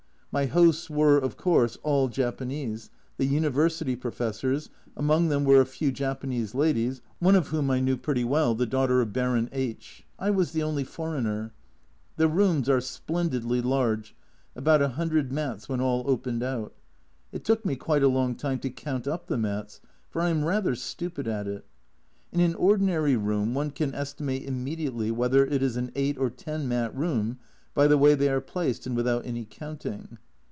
My hosts were, of course, all Japanese, the University Professors, among them were a few Japanese ladies, one of whom I knew pretty well, the daughter of Baron H . I was the only foreigner. The rooms are splendidly large, about 100 mats when all opened out It took me quite a long time to count up the mats, for I am rather stupid at it. In an ordinary room one can estimate immediately whether it is an 8 or 10 mat room, by the way they are placed, and without any counting.